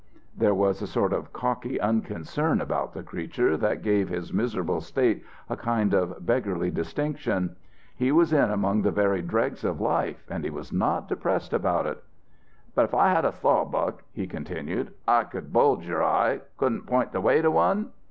"There was a sort of cocky unconcern about the creature that gave his miserable state a kind of beggarly distinction. He was in among the very dregs of life, and he was not depressed about it. "'But if I had a sawbuck,' he continued, 'I could bulge your eye.... Couldn't point the way to one?'